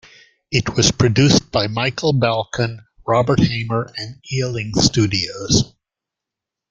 It was produced by Michael Balcon, Robert Hamer and Ealing Studios.